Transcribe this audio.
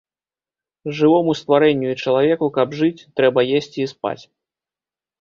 Жывому стварэнню і чалавеку каб жыць, трэба есці і спаць.